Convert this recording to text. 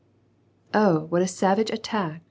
" Oh ! what a savage attack